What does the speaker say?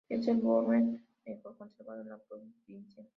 Es el dolmen mejor conservado de la provincia.